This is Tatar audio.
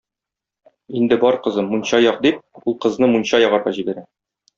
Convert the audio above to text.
Инде бар, кызым, мунча як! - дип, ул кызны мунча ягарга җибәрә.